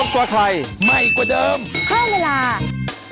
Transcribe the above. โปรดติดตามตอนต่อไป